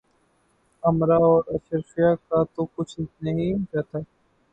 امرا اور اشرافیہ کا تو کچھ نہیں جاتا۔